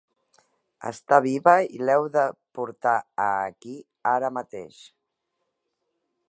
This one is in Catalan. Està viva i l'heu de portar a aquí ara mateix!